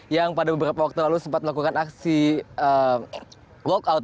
yang pada beberapa waktu lalu sempat melakukan aksi walkout